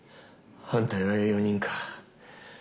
反対は４人か。